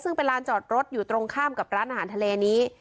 ซึ่งเป็นลานจอดรถอยู่ตรงข้ามกับร้านอาหารทะเลนี้